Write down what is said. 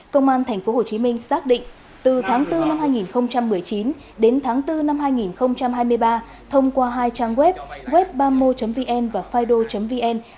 công an tp hcm xác định từ tháng bốn năm hai nghìn một mươi chín đến tháng bốn năm hai nghìn hai mươi ba thông qua hai trang web web bamo vn và fido vn